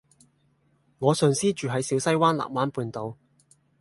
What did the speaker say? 我上司住喺小西灣藍灣半島